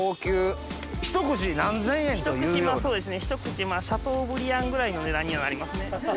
ひと串シャトーブリアンぐらいの値段にはなりますね。